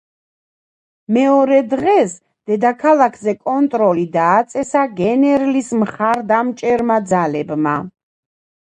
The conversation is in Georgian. მეორე დღეს დედაქალაქზე კონტროლი დააწესა გენერლის მხარდამჭერმა ძალებმა.